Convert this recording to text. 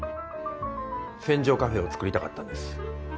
船上カフェを作りたかったんです。